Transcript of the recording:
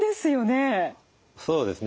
そうですね